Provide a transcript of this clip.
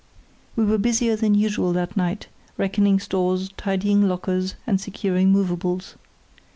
We were busier than usual that night, reckoning stores, tidying lockers, and securing movables.